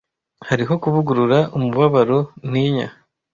hariho kuvugurura umubabaro ntinya